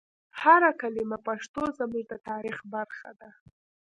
هر کلمه پښتو زموږ د تاریخ برخه ده.